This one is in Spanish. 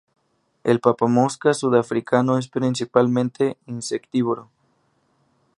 El papamoscas sudafricano es principalmente Insectívoro.